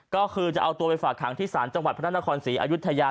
ก็คือจะเอาตัวไปฝากหางที่ศาลจังหวัดพระนครศรีอายุทยา